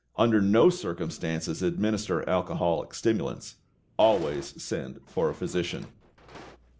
Under no circumstances administer alcoholic stimulants. Always send for a physician.